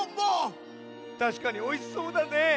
たしかにおいしそうだね！